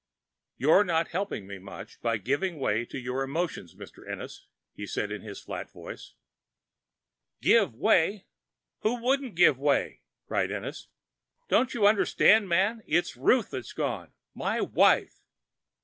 "You're not helping me much by giving way to your emotions, Mr. Ennis," he said in his flat voice. "Give way? Who wouldn't give way?" cried Ennis. "Don't you understand, man, it's Ruth that's gone my wife!